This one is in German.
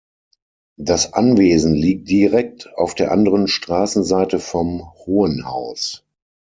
Das Anwesen liegt direkt auf der anderen Straßenseite vom Hohenhaus.